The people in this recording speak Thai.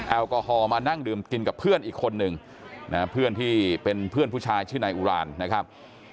แอลกอฮอล์มานั่งดื่มกินกับเพื่อนอีกคนนึงนะฮะเพื่อนที่เป็นเพื่อนผู้ชายชื่อนายอุรานนะครับ